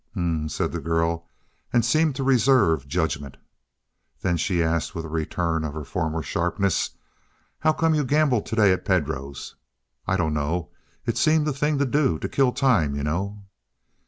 "H'm," said the girl, and seemed to reserve judgment. Then she asked with a return of her former sharpness: "How come you gambled today at Pedro's?" "I don't know. It seemed the thing to do to kill time, you know."